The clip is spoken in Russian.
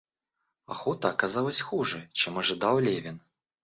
Охота оказалась хуже, чем ожидал Левин.